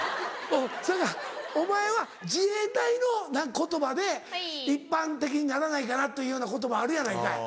それならお前は自衛隊の言葉で一般的にならないかなというような言葉あるやないかい。